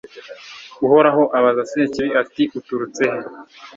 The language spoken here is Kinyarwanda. uhoraho abaza sekibi, ati uturutse he